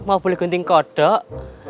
mau boleh gunting kodok